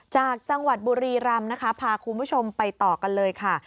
จากจังหวัดบุรีรำนะคะพาคุณผู้ชมไปต่อกันเลยค่ะ